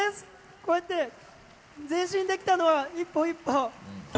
こうやって前進できたのは、一歩一歩。